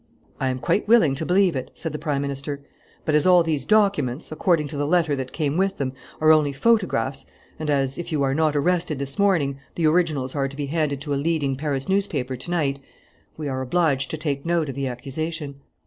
"I am quite willing to believe it," said the Prime Minister. "But as all these documents, according to the letter that came with them, are only photographs, and as, if you are not arrested this morning, the originals are to be handed to a leading Paris newspaper to night, we are obliged to take note of the accusation."